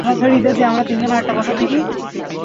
আমি এখান থেকে দেখব - ঠিক আছে, আমি যাচ্ছি।